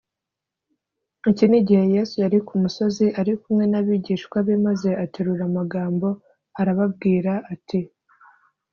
Iki ni igihe Yesu yari ku musozi arikumwe n'abigishwa be maze aterura amagambo arababwira ati